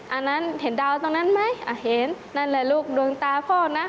อันนั้นเห็นดาวตรงนั้นไหมอ่ะเห็นนั่นแหละลูกดวงตาพ่อนะ